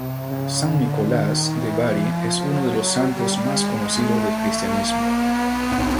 San Nicolás de Bari es uno de los santos más conocidos del cristianismo.